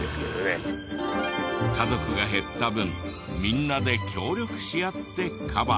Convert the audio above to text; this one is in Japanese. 家族が減った分みんなで協力し合ってカバー。